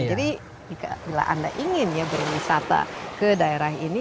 jadi bila anda ingin ya berwisata ke daerah ini